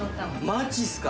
マジっすか？